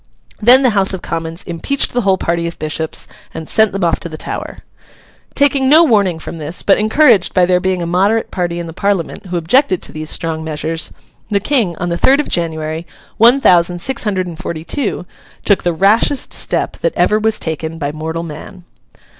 Then the House of Commons impeached the whole party of Bishops and sent them off to the Tower: Taking no warning from this; but encouraged by there being a moderate party in the Parliament who objected to these strong measures, the King, on the third of January, one thousand six hundred and forty two, took the rashest step that ever was taken by mortal man.